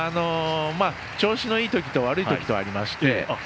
調子のいいときと悪いときとありまして。